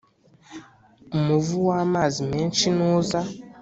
umuvu w amazi menshi nuza